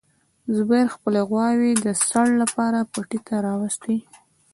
زبیر خپلې غواوې د څړ لپاره پټي ته راوستې.